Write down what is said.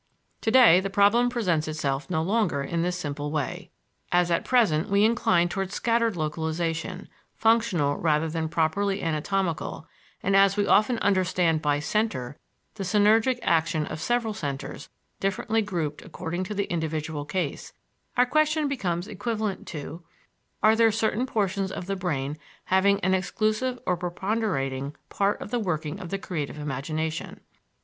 Today the problem presents itself no longer in this simple way. As at present we incline toward scattered localization, functional rather than properly anatomical, and as we often understand by "center" the synergic action of several centers differently grouped according to the individual case, our question becomes equivalent to: "Are there certain portions of the brain having an exclusive or preponderating part in the working of the creative imagination?"